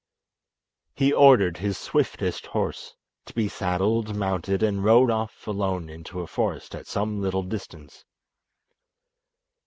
He ordered his swiftest horse to be saddled, mounted, and rode off alone into a forest at some little distance.